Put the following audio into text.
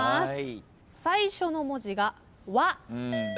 最初の文字が「わ」です。